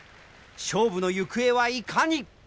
勝負の行方はいかに。